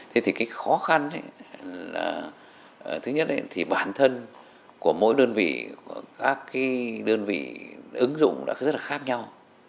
thế thì cái khó khăn là thứ nhất thì bản thân của mỗi đơn vị của các cái đơn vị ứng dụng đã rất là khác nhau